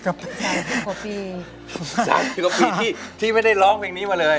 ๓๐กว่าปีที่ไม่ได้ร้องเพลงนี้มาเลย